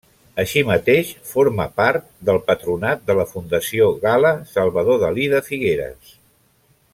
Així mateix forma part del patronat de la Fundació Gala-Salvador Dalí de Figueres.